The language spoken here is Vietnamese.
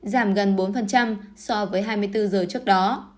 giảm gần bốn so với hai mươi bốn giờ trước đó